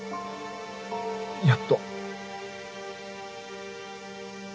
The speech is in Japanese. やっと。